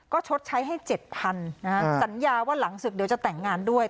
ก็ชดใช้ให้๗๐๐นะฮะสัญญาว่าหลังศึกเดี๋ยวจะแต่งงานด้วย